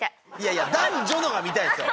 いや男女のが見たいんですよ！